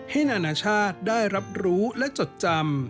นานาชาติได้รับรู้และจดจำ